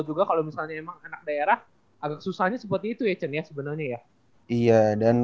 juga kalau misalnya emang anak daerah agak susahnya seperti itu ya chan ya sebenarnya ya iya dan